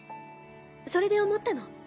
それで思ったの。